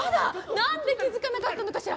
なんで気づかなかったのかしら？